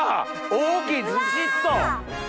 大きいずしっと。